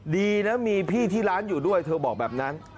ดีนะมีพี่ที่ร้านอยู่ด้วยเธอบอกแบบนั้น